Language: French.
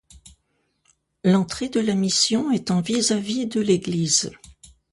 L'entrée de la mission est en vis-à-vis de l'église.